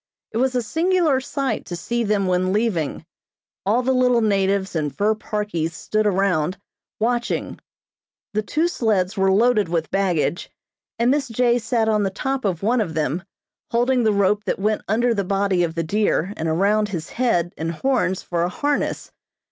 It was a singular sight to see them when leaving. All the little natives in fur parkies stood around, watching. The two sleds were loaded with baggage, and Miss J. sat on the top of one of them, holding the rope that went under the body of the deer and around his Head and horns for a harness.